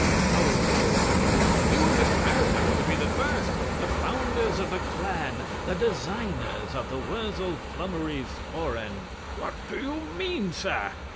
Oh no, no. You and Mr. Meriton were to be the first, the founders of the clan, the designers of the Wurzel Flummery sporran CRAWSHAW. What do you mean, sir?